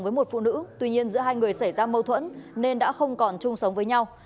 với một phụ nữ tuy nhiên giữa hai người xảy ra mâu thuẫn nên đã không còn chung sống với nhau